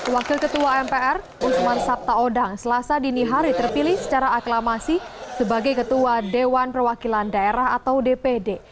wakil ketua mpr usman sabtaodang selasa dini hari terpilih secara aklamasi sebagai ketua dewan perwakilan daerah atau dpd